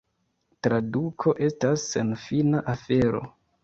Tradukado estas senfina afero.